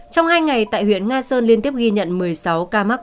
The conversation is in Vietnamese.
trong hai ngày tại huyện nga sơn liên tiếp ghi nhận một mươi sáu ca mắc